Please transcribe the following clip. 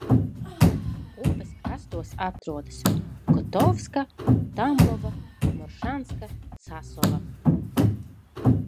Upes krastos atrodas Kotovska, Tambova, Moršanska, Sasova.